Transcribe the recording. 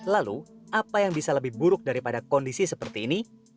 lalu apa yang bisa lebih buruk daripada kondisi seperti ini